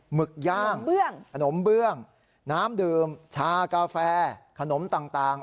หึกย่างขนมเบื้องน้ำดื่มชากาแฟขนมต่าง